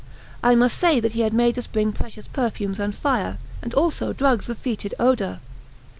I must say that he had made us bring precious perfumes and fire, and also drugs of fetid odour.